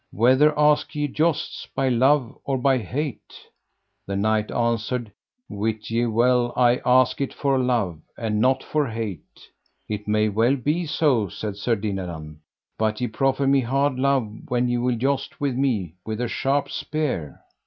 Whether ask ye jousts, by love or by hate? The knight answered: Wit ye well I ask it for love, and not for hate. It may well be so, said Sir Dinadan, but ye proffer me hard love when ye will joust with me with a sharp spear.